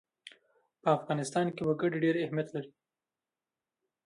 په افغانستان کې وګړي ډېر اهمیت لري.